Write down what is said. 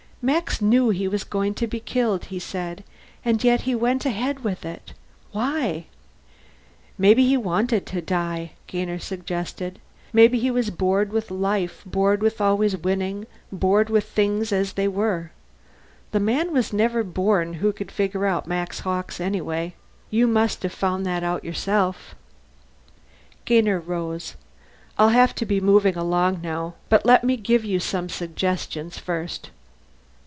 "Max knew he was going to be killed," he said. "And yet he went ahead with it. Why?" "Maybe he wanted to die," Gainer suggested. "Maybe he was bored with life, bored with always winning, bored with things as they were. The man was never born who could figure out Max Hawkes, anyway. You must have found that out yourself." Gainer rose. "I'll have to be moving along, now. But let me give you some suggestions, first."